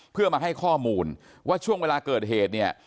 เพื่อมาให้ข้อมูลว่าช่วงเวลาเกิดเหตุเนี่ย